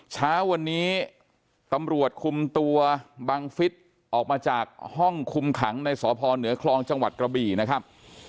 เช้าวันนี้ตำรวจคุมตัวบังฟิศออกมาจากห้องคุมขังในสพเหนือคลองจังหวัดกระบี่นะครับ